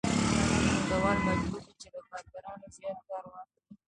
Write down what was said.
پانګوال مجبور دی چې له کارګرانو زیات کار واخلي